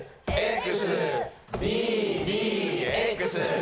Ｘ！